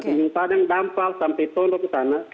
desa tanjung padang dampal sampai tolong ke sana